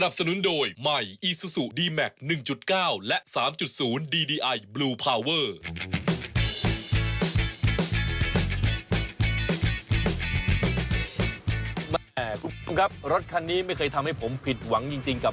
คุณผู้ชมครับรถคันนี้ไม่เคยทำให้ผมผิดหวังจริงกับ